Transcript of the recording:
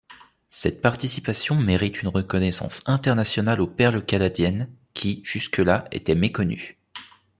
Cette participation mérite une reconnaissance internationale aux perles canadiennes qui, jusque là, étaient méconnues.